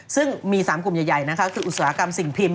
ซึ่งมี๓กลุ่มใหญ่นะคะคืออุตสาหกรรมสิ่งพิม